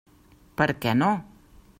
Per què no?